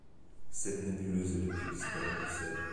Cette nébuleuse est depuis disparue du ciel.